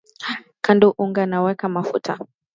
kanda unga na weka mafuta